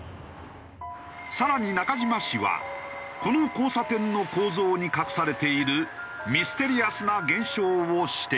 更に中島氏はこの交差点の構造に隠されているミステリアスな現象を指摘。